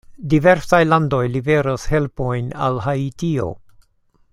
Diversaj landoj liveras helpojn al Haitio.